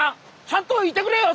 ちゃんといてくれよ！